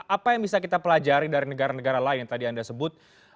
apa yang bisa kita pelajari dari negara negara lain yang tadi anda sebut